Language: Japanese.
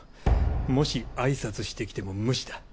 もし挨拶してきても無視だ。